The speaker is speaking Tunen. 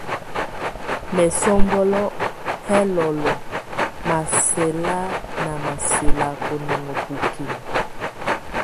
Mɛsɔ́mbɔ́lɔ́ ɛ lɔlɔ́ masɛla na masɛla bɔnonŋɔ bukim.